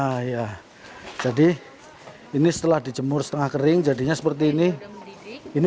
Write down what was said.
hai nah ya jadi ini setelah dijemur setengah kering jadinya seperti ini ini